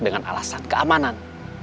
dengan alasan keamanan